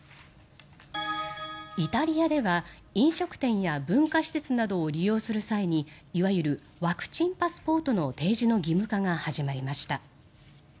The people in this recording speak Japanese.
イタリアでは飲食店や文化施設などを利用する際にいわゆるワクチンパスポートの提示の義務化が始まりました。